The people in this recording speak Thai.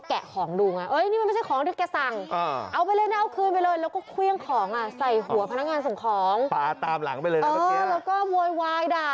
แกก็แกะของดูไง